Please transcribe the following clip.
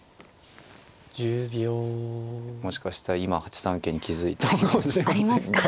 もしかしたら今８三桂に気付いたのかもしれませんが。